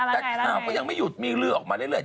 แต่ข่าวก็ยังไม่หยุดมีลือออกมาเรื่อย